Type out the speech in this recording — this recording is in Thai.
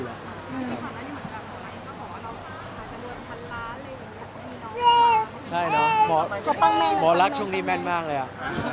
หมอรักช่วงนี้แม่นมากเลย